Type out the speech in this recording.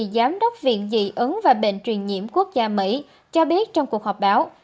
giám đốc viện dị ứng và bệnh truyền nhiễm quốc gia mỹ cho biết trong cuộc họp báo